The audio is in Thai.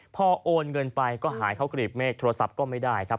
พอโอนเงินไปก็หายเข้ากรีบเมฆโทรศัพท์ก็ไม่ได้ครับ